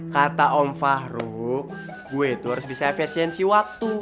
kata om fahruk gue itu harus bisa efesiensi waktu